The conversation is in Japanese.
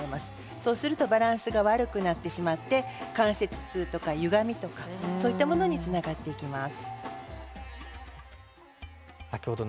そうするとバランスが悪くなってしまって関節痛やゆがみにつながっていきます。